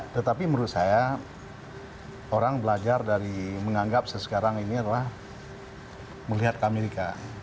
tetapi menurut saya orang belajar dari menganggap sesekarang ini adalah melihat amerika